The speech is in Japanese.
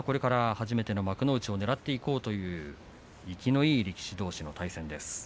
初めての幕内をねらっていこうという生きのいい両者の対戦です。